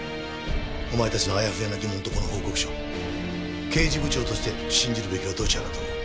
お前達のあやふやな疑問とこの報告書刑事部長として信じるべきはどちらだと思う？